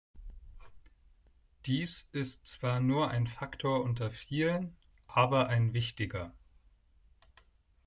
Dies ist zwar nur ein Faktor unter vielen, aber ein wichtiger.